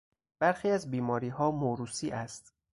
برخی از بیماریها موروثی است.